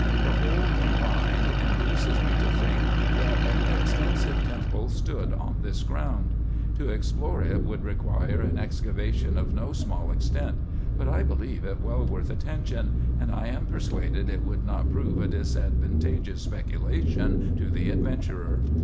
The whole combined induces me to think, that an extensive temple stood on this ground. To explore it would require an excavation of no small extent ; but I believe it well worth attention, and I am per suaded it would not prove a disadvantageous speculation to the adventurer.